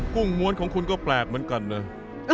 ุ้งม้วนของคุณก็แปลกเหมือนกันนะ